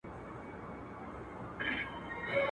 په زرګونو یې تر خاورو کړله لاندي.